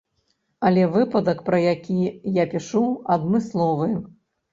Але выпадак, пра які я пішу, адмысловы.